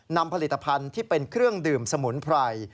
นำผลิตภัณฑ์ที่เป็นเครื่องดื่มสมุนไพร